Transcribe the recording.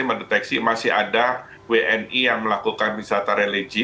mendeteksi masih ada wni yang melakukan wisata religi